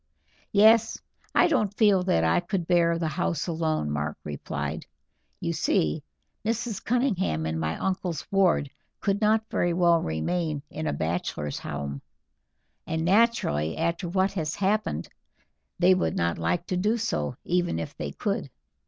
"Yes. I don't feel that I could bear the house alone," Mark replied. "You see, Mrs. Cunningham and my uncle's ward could not very well remain in a bachelor's home, and naturally, after what has happened, they would not like to do so, even if they could.